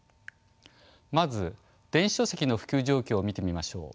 まず電子書籍の普及状況を見てみましょう。